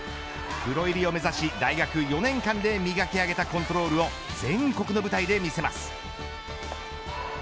プロ入りを目指し大学４年間で磨き上げたコントロールを全国の舞台で見せます。